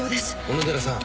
小野寺さん